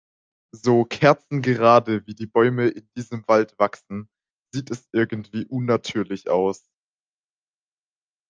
So kerzengerade, wie die Bäume in diesem Wald wachsen, sieht es irgendwie unnatürlich aus.